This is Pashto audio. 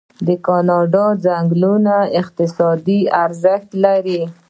د کاناډا ځنګلونه اقتصادي ارزښت لري.